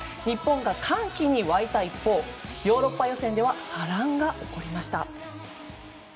日本が歓喜に沸いた一方ヨーロッパ予選では波乱が起こりました。